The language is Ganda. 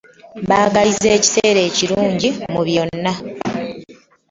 Mbaagaliza ekiseera ekirungi mu byonna.